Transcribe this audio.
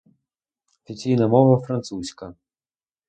Офіційна мова — французька.